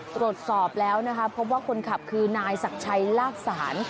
ตรวจสอบแล้วนะคะพบว่าคนขับคือนายศักดิ์ชัยลากศาล